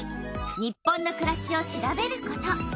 「日本のくらし」を調べること。